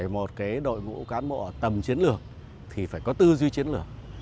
để một đội ngũ cán bộ tầm chiến lược thì phải có tư duy chiến lược